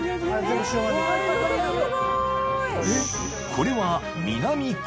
［これは］